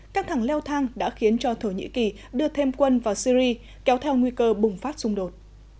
căng thẳng leo thang đã khiến cho thổ nhĩ kỳ đưa thêm quân vào syri kéo theo nguy cơ bùng phát xung đột